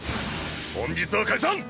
本日は解散！